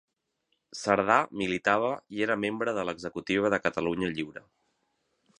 Cerdà militava i era membre de l'executiva de Catalunya Lliure.